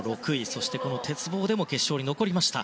そして鉄棒でも決勝に残りました。